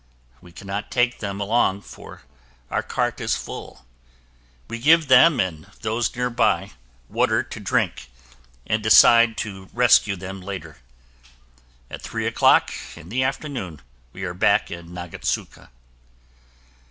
We cannot take them along for our cart is full. We give them and those nearby water to drink and decide to rescue them later. At three o'clock in the afternoon, we are back in Nagatsuka.